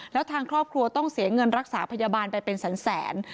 แล้วทางครอบครัวต้องเสียเงินรักษาพยาบาลไปเป็นแสน